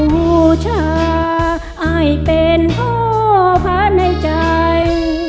บูชาอายเป็นพ่อพระในใจ